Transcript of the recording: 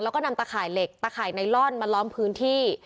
แล้วก็นำตะข่ายเหล็กตะข่ายไนลอนมาล้อมพื้นที่